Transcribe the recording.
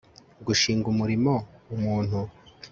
gushinga umurimo umuntu